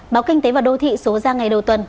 báo kinh tế và đô thị số ra ngày đầu tuần